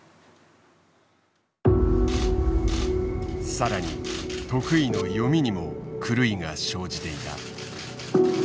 さらに得意の読みにも狂いが生じていた。